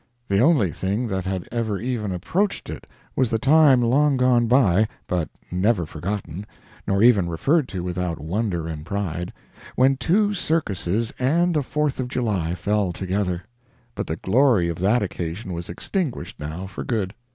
The only thing that had ever even approached it, was the time long gone by, but never forgotten, nor even referred to without wonder and pride, when two circuses and a Fourth of July fell together. But the glory of that occasion was extinguished now for good.